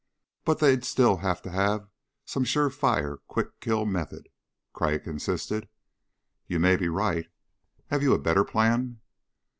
"But they'd still have to have some sure fire quick kill method," Crag insisted. "You may be right. Have you a better plan?"